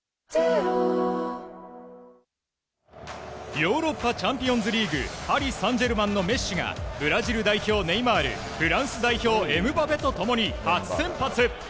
ヨーロッパチャンピオンズリーグパリ・サンジェルマンのメッシがブラジル代表ネイマールフランス代表、エムバペと共に初先発。